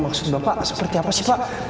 maksud bapak seperti apa sih pak